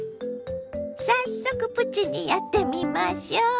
早速プチにやってみましょ。